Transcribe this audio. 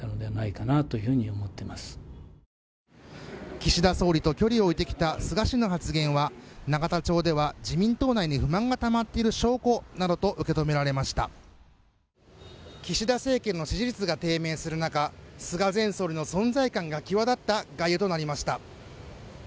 岸田総理と距離を置いてきた菅氏の発言は永田町では自民党内に不満がたまっている証拠などと受け止められました岸田政権の支持率が低迷する中菅前総理の存在感が際立った外遊となりました